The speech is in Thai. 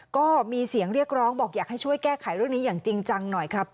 ก็มีเสียงเรียกร้องบอกอยากให้ช่วยแก้ไขเรื่องนี้อย่างจริงจังหน่อยครับ